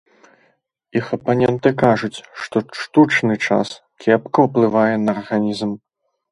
Іх апаненты кажуць, што штучны час кепка ўплывае на арганізм.